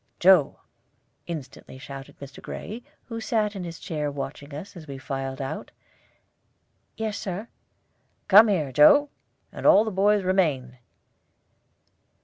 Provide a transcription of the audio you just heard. "Joe!" instantly shouted Mr. Gray, who sat in his chair watching us as we filed out. "Yes, Sir." "Come here, Joe, and all the boys remain."